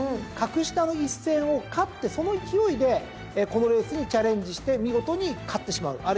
格下の一戦を勝ってその勢いでこのレースにチャレンジして見事に勝ってしまう。